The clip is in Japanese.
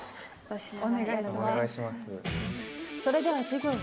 お願いします。